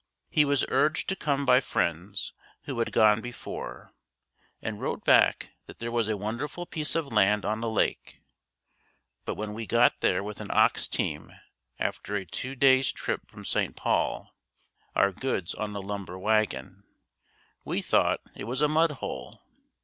He was urged to come by friends who had gone before and wrote back that there was a wonderful piece of land on a lake, but when we got there with an ox team after a two days trip from St. Paul, our goods on a lumber wagon we thought it was a mudhole.